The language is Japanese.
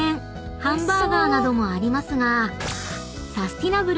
ハンバーガーなどもありますが］